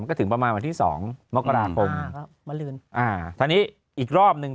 มันก็ถึงประมาณวันที่๒มกราทงอ่าอีกรอบหนึ่ง